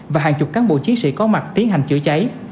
và hàng chục cán bộ chiến sĩ có mặt tiến hành chữa cháy